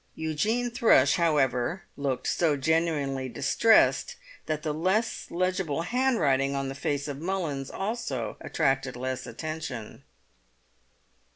Eugene Thrush, however, looked so genuinely distressed that the less legible handwriting on the face of Mullins also attracted less attention.